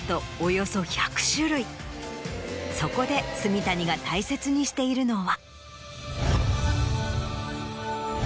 そこで住谷が大切にしているのは。